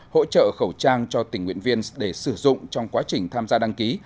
hỗ trợ khẩu trang cho tình nguyện viên để sử dụng trong quá trình tham gia đăng ký